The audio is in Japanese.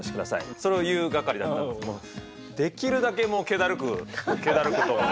それを言う係だったんだけどもできるだけけだるくけだるくと。